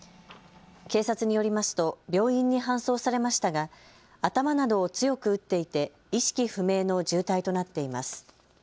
警察によりますと病院に搬送されましたが頭などを強く打っていて意識不明の重体となっています。